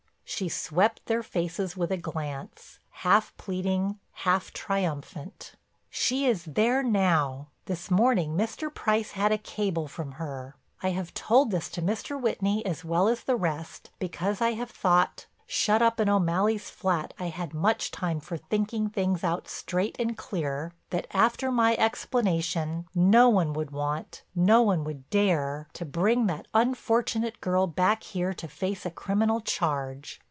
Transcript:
She swept their faces with a glance, half pleading, half triumphant. "She is there now—this morning Mr. Price had a cable from her. I have told this to Mr. Whitney as well as the rest because I have thought—shut up in O'Malley's flat I had much time for thinking things out straight and clear—that after my explanation, no one would want, no one would dare, to bring that unfortunate girl back here to face a criminal charge.